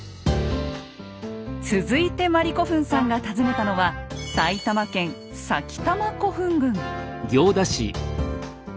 続いてまりこふんさんが訪ねたのは埼玉県「埼玉古墳群」。